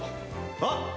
あっ！